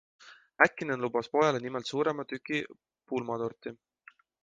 Häkkinen lubas pojale nimelt suurema tüki pulmatorti.